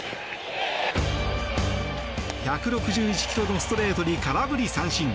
１６１ｋｍのストレートに空振り三振。